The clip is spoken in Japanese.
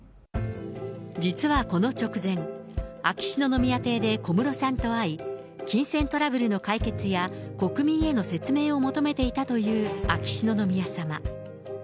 実はこの直前、秋篠宮邸で小室さんと会い、金銭トラブルの解決や国民への説明を求めていたという秋篠宮さま。